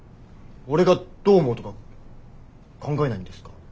俺がどう思うとか考えないんですか？